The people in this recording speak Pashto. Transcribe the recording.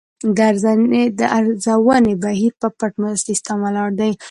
د ارزونې بهیر په پټ سیستم ولاړ دی.